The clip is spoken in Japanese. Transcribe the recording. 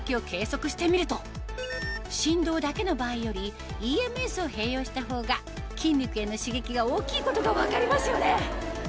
振動だけの場合よりＥＭＳを併用したほうが筋肉への刺激が大きいことが分かりますよね？